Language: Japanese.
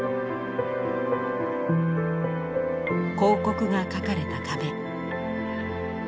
広告が描かれた壁。